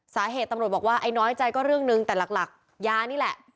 สาเหตุตำรวจบอกว่าไอ้น้อยใจก็เรื่องนึงแต่หลักยานี่แหละ